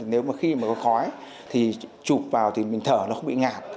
nếu mà khi mà có khói thì chụp vào thì mình thở nó không bị ngạt